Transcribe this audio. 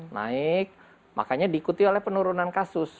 naik makanya diikuti oleh penurunan kasus